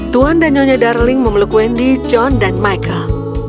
tuan dan nyonya darling memeluk wendy john dan michael